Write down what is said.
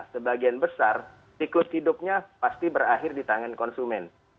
sebagian besar siklus hidupnya pasti berakhir di tangan konsumen